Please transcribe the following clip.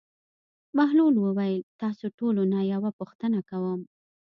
بهلول وویل: تاسو ټولو نه یوه پوښتنه کوم.